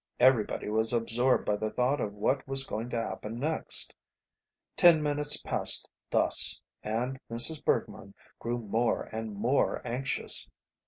Everybody was absorbed by the thought of what was going to happen next. Ten minutes passed thus, and Mrs. Bergmann grew more and more anxious.